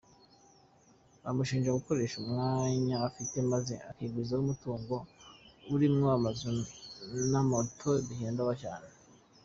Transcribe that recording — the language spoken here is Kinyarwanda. Bamushinja gukoresha umwanya afite maze akigwizaho umutungo urimwo amazu n'amato bihenda cyane.